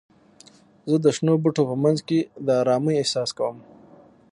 زه د شنو بوټو په منځ کې د آرامۍ احساس کوم.